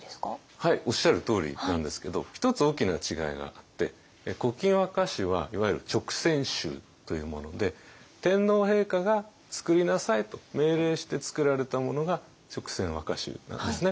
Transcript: はいおっしゃるとおりなんですけど一つ大きな違いがあって「古今和歌集」はいわゆる勅撰集というもので天皇陛下が「作りなさい」と命令して作られたものが勅撰和歌集なんですね。